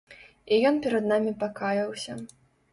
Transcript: І ён перад намі пакаяўся.